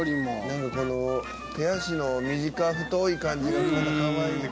なんかこの手足の短い太い感じがまたかわいい。